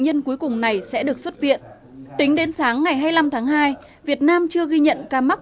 nhân cuối cùng này sẽ được xuất viện tính đến sáng ngày hai mươi năm tháng hai việt nam chưa ghi nhận ca mắc